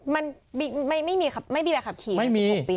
มันไม่มีแบบขับขี่สิบหกปีเนี่ยไม่มี